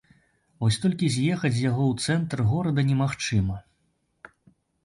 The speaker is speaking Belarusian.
Вось толькі з'ехаць з яго ў цэнтр горада немагчыма.